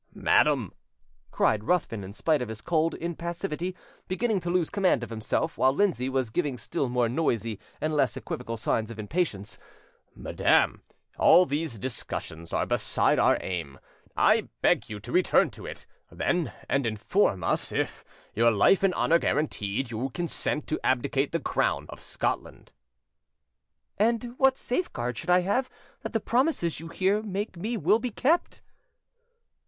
"Madam," cried Ruthven, in spite of his cold impassivity beginning to lose command of himself, while Lindsay was giving still more noisy and less equivocal signs of impatience, "madam, all these discussions are beside our aim: I beg you to return to it, then, and inform us if, your life and honour guaranteed, you consent to abdicate the crown of Scotland." "And what safeguard should I have that the promises you here make me will be kept?"